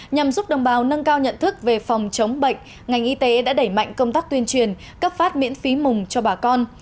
nhằm giúp đồng bào nâng cao nhận thức về phòng chống bệnh ngành y tế đã đẩy mạnh công tác tuyên truyền cấp phát miễn phí mùng cho bà con